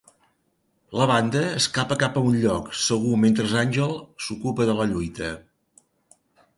La banda escapa cap a un lloc segur mentre Angel s'ocupa de la lluita.